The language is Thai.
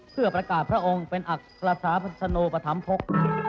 เพื่อประกาศพระองค์เป็นอัครศภัณฑ์สบัติสนูปธัมปก